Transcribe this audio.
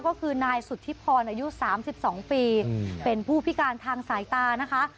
ก็คือนายสุธิพรอายุ๓๒ปีเป็นผู้พิการทางสายตานะคะ